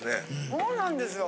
そうなんですよ。